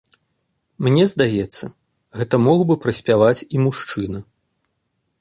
Мне здаецца, гэта мог бы праспяваць і мужчына.